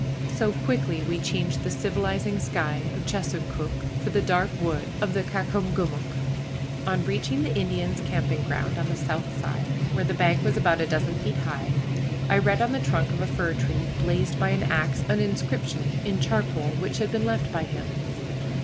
So quickly we changed the civilizing sky of Chesuncook for the dark wood of the Caucomgomoc. On reaching the Indian's camping ground on the south side, where the bank was about a dozen feet high, I read on the trunk of a fir tree blazed by an axe an inscription in charcoal which had been left by him.